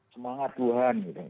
semangat tuhan gitu